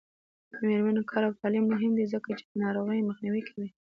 د میرمنو کار او تعلیم مهم دی ځکه چې ناروغیو مخنیوی کوي.